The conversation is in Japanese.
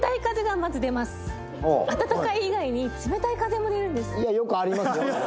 「温かい以外に冷たい風も出るんです」